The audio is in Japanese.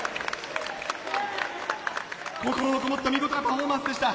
心のこもった見事なパフォーマンスでした。